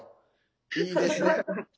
いいですね。